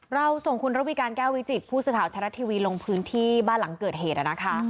เราส่งคุณระวิการแก้ววิจิตผู้สื่อข่าวไทยรัฐทีวีลงพื้นที่บ้านหลังเกิดเหตุนะคะ